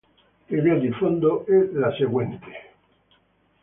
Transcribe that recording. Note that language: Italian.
L'idea di fondo è la seguente.